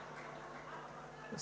terhadap rasa ketatfear